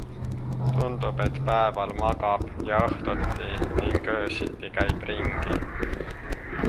Tundub, et päeval magab ja õhtuti ning öösiti käib ringi.